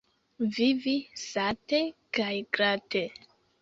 Vivi sate kaj glate.